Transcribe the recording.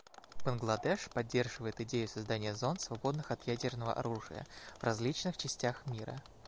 Бангладеш поддерживает идею создания зон, свободных от ядерного оружия, в различных частях мира.